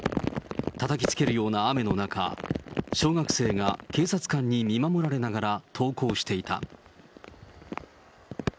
たたきつけるような雨の中、小学生が警察官に見守られながら登校していた。